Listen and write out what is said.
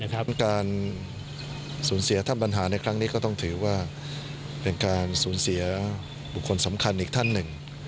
การสูญเสียท่านปัญหาในครั้งนี้ก็ต้องถือว่าเป็นการสูญเสียบุคคลสำคัญอีกท่านหนึ่ง